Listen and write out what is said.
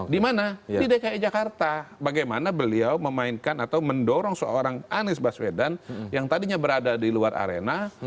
dimana di dki jakarta bagaimana beliau memainkan atau mendorong seorang anies baswedan yang tadinya berada di luar arena